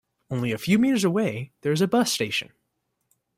Only a few meters away there is a bus station.